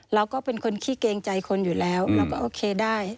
เราก็เป็นคนขี้เกรงใจคนอยู่แล้วเราก็โอเคได้